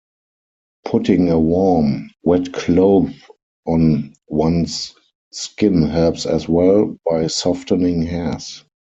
Putting a warm, wet cloth on one's skin helps as well, by softening hairs.